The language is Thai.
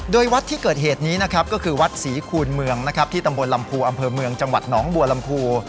โดยวัดที่เกิดเหตุนี้นะครับก็คือวัดศรีคูณเมืองนะครับที่ตำบลลำพูอำเภอเมืองจังหวัดหนองบัวลำพู